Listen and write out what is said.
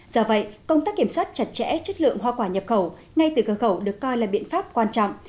do vậy công tác kiểm soát chặt chẽ chất lượng hoa quả nhập khẩu ngay từ cửa khẩu được coi là biện pháp quan trọng